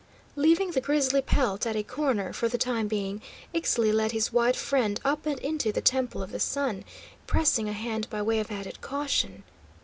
Leaving the grizzly pelt at a corner, for the time being, Ixtli led his white friend up and into the Temple of the Sun, pressing a hand by way of added caution.